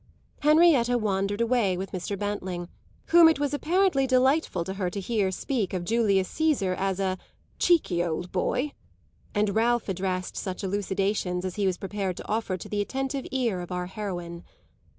Henrietta wandered away with Mr. Bantling, whom it was apparently delightful to her to hear speak of Julius Caesar as a "cheeky old boy," and Ralph addressed such elucidations as he was prepared to offer to the attentive ear of our heroine.